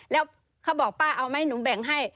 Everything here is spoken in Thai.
แล้วเขาบอกป้าเอาไหมหนูแบ่งให้